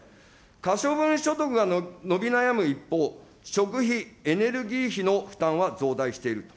可処分所得が伸び悩む一方、食費、エネルギー費の負担は増大している。